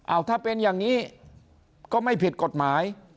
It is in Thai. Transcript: เอาถ้าเป็นอย่างนี้ก็ไม่ผิดกฎหมาย